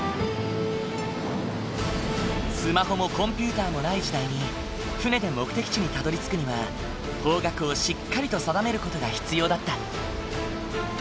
スマホもコンピューターもない時代に船で目的地にたどりつくには方角をしっかりと定める事が必要だった。